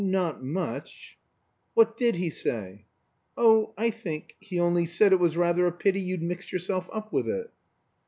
Not much." "What did he say!" "Oh I think he only said it was rather a pity you'd mixed yourself up with it."